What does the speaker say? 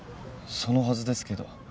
そのはずですけど。